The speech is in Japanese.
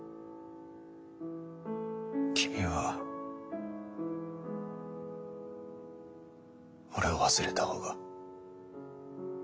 君は俺を忘れた方が。